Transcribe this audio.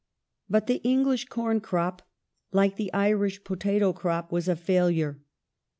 But the English corn crop, like the Irish potato crop, was a failure.